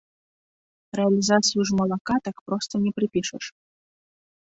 Рэалізацыю ж малака так проста не прыпішаш.